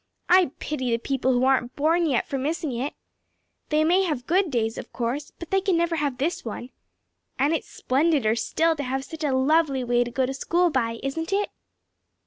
I pity the people who aren't born yet for missing it. They may have good days, of course, but they can never have this one. And it's splendider still to have such a lovely way to go to school by, isn't it?"